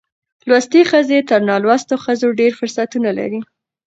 لوستې ښځې تر نالوستو ښځو ډېر فرصتونه لري.